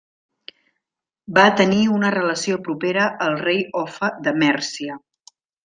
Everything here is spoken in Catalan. Va tenir una relació propera al rei Offa de Mèrcia.